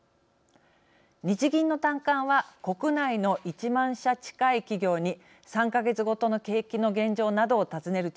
日銀の短観は国内の１万社近い企業に３か月ごとの景気の現状などを尋ねる調査です。